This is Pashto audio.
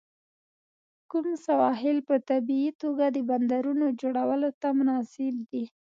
کوم سواحل په طبیعي توګه د بندرونو جوړولو ته مناسب دي؟